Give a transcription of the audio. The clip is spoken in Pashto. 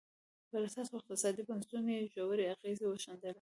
پر سیاسي او اقتصادي بنسټونو یې ژورې اغېزې وښندلې.